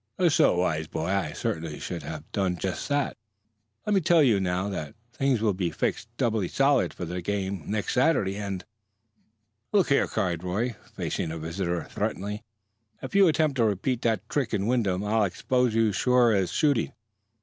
"Just so. Wise boy. I certainly should have done just that. Let me tell you now that things will be fixed doubly solid for the game next Saturday, and " "Look here," cried Roy, facing the visitor threateningly, "if you attempt to repeat that trick in Wyndham I'll expose you sure as shooting.